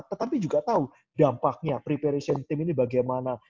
tetapi juga tahu dampaknya preparation team ini bagaimana